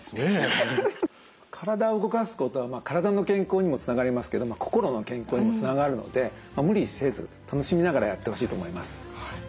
体を動かすことは体の健康にもつながりますけども心の健康にもつながるので無理せず楽しみながらやってほしいと思います。